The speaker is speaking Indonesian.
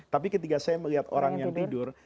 tapi ketika saya melihat orang yang tidur